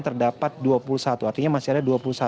terdapat dua puluh satu artinya masih ada